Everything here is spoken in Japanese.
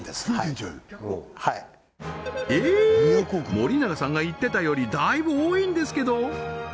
森永さんが言ってたよりだいぶ多いんですけど！